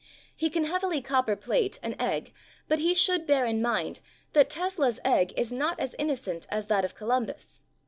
He can heavily copper plate an egg but he should bear in mind that Tesla's egg is not as innocent as that of Columbus.